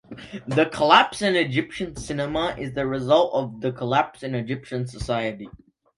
The collapse in Egyptian cinema is the result of the collapse in Egyptian society.